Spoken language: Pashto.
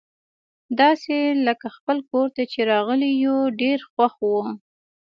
داسي لکه خپل کور ته چي راغلي یو، ډېر خوښ وو.